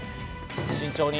慎重に。